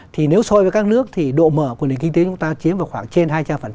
thì nếu so với các nước thì độ mở của nền kinh tế chúng ta chiếm vào khoảng trên hai trăm linh